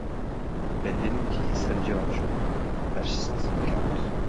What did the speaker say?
Benvenuti San Giorgio, page cinq cent quarante.